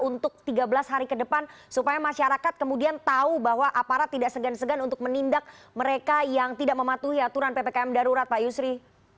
untuk tiga belas hari ke depan supaya masyarakat kemudian tahu bahwa aparat tidak segan segan untuk menindak mereka yang tidak mematuhi aturan ppkm darurat pak yusri